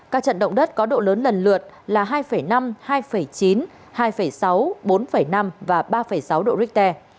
các trận động đất có độ lớn lần lượt là hai năm hai chín hai sáu bốn năm và ba sáu độ richter